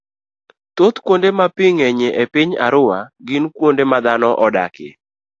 thoth kuonde ma pi ng'enyie e piny Arua gin kuonde ma dhano odakie.